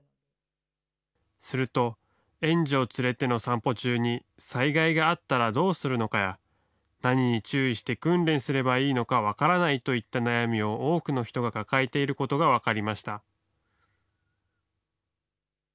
すると、園児を連れての散歩中に災害があったらどうするのかや、何に注意して訓練すればいいのか分からないといった悩みを多くの人が抱えていることが分かりました。